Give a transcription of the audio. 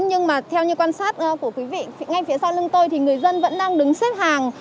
nhưng mà theo như quan sát của quý vị ngay phía sau lưng tôi thì người dân vẫn đang đứng xếp hàng